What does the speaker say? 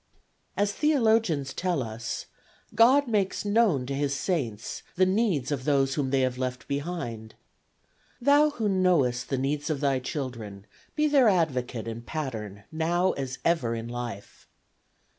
"As theologians tell us, God makes known to his saints the needs of those whom they have left behind. 'Thou who knowest the needs of thy children be their advocate and pattern now as ever in life.